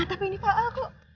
tapi ini pak al kok